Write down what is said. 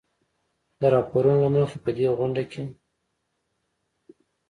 د راپورونو له مخې په دې غونډه کې